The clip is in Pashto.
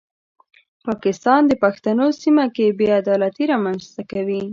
پاکستان د پښتنو سیمه کې بې عدالتي رامنځته کوي.